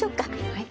はい。